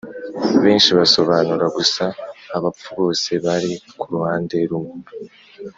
benshi basobanura gusa abapfu bose bari kuruhande rumwe